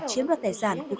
chiếm được tài sản